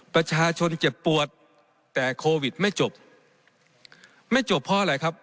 ประชาชนเจ็บปวดแต่โควิดไม่จบไม่จบเพราะอะไรครับ